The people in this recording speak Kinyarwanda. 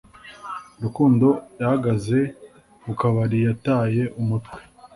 Rukundo yahagaze ku kabari yataye umutwe